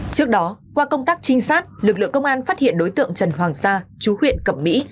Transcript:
trước đó qua công tác trinh sát lực lượng công an phát hiện đối tượng trần hoàng sa chú huyện cẩm mỹ